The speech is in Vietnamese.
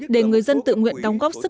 để người dân tự nguyện đóng góp sự nỗ lực